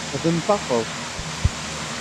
Xdem tafeḍ.